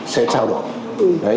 sẽ trao đổi